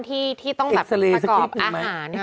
ที่ต้องแบบประกอบอาหาร